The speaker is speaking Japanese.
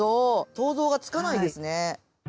想像がつかないですね。